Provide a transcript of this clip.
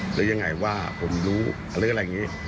หรือยังไงว่าผมรู้หรืออะไรอย่างนี้